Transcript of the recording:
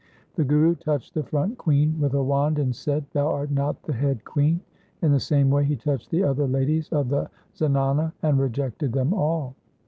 The Guru touched the front queen with a wand and said, ' Thou art not the head queen.' In the same way he touched the other ladies of the zanana and rejected them all.